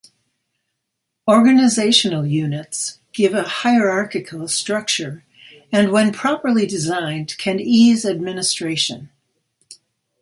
Organizational Units give a hierarchical structure, and when properly designed can ease administration.